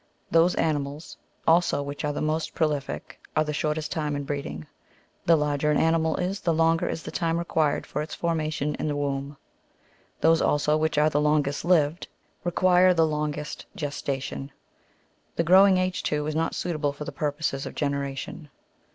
Those animals, also, which are the most prolific, are the shortest time in breeding. The larger an animal is, the longer is the time required for its formation in the womb ; those, also, which are the longest lived, require the longest gestation; the growing age, too, is not suitable for the purposes of generation.